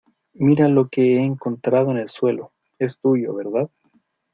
mira lo que he encontrado en el suelo. es tuyo, ¿ verdad?